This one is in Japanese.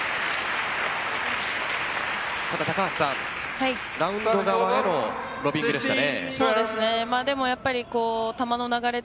高橋さん、ラウンド側へのロビングでしたね。